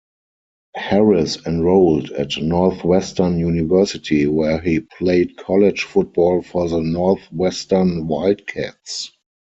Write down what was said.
Harris enrolled at Northwestern University, where he played college football for the Northwestern Wildcats.